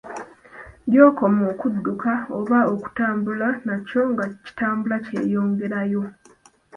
Gy'okoma okudduka, oba okutambula, nakyo nga kitambula kyeyongerayo.